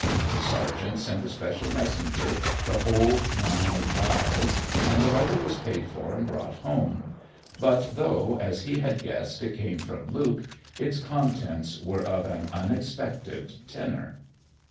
The sergeant sent a special messenger the whole nine miles, and the letter was paid for and brought home; but though, as he had guessed, it came from Luke, its contents were of an unexpected tenor.